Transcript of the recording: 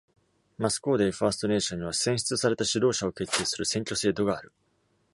Muskoday First Nation には、選出された指導者を決定する選挙制度がある。